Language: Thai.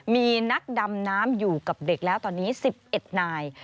มีนักดำน้ำอยู่กับเด็กแล้วตอนนี้๑๑นาย